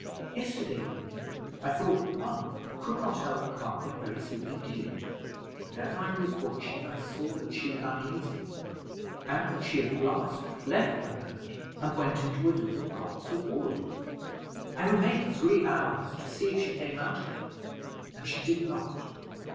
Yesterday evening I thought one could not help calving very soon indeed, and as I was watching, I saw that she was uneasy, and that she at last left the herd and went into a little copse of wood. I remained three hours to see if she came out again, and she did not.